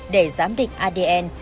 để giám định adn